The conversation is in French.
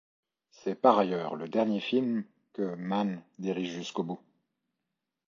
C'est par ailleurs le dernier film que Mann dirige jusqu'au bout.